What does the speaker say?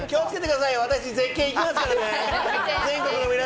気をつけてくださいよ、私絶対行きますからね。